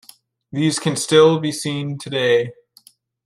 These can still be seen today.